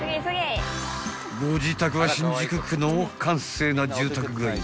［ご自宅は新宿区の閑静な住宅街］